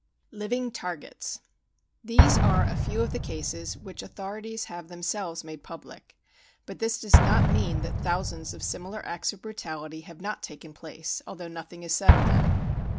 Living Targets. These are a few of the cases which the authorities have themselves made public : but this does not mean that thousands of similar acts of brutality have not taken place, although nothing is said of them.